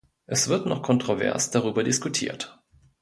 Es wird noch kontrovers darüber diskutiert.